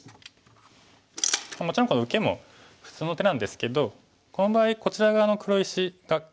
もちろんこの受けも普通の手なんですけどこの場合こちら側の黒石が堅い。